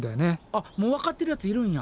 あっもうわかってるやついるんや。